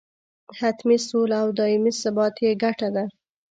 حتمي سوله او دایمي ثبات یې ګټه ده.